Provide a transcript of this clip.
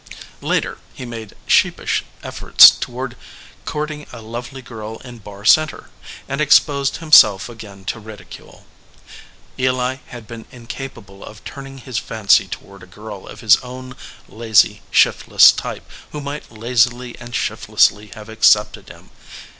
Later, he made sheepish efforts toward courting a lovely girl in Barr Center, and exposed himself again to ridicule. Eli had been incapable of turning his fancy toward a girl of his own lazy, shiftless type who might lazily and shiftlessly have accepted him.